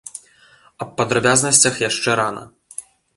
Аб падрабязнасцях яшчэ рана.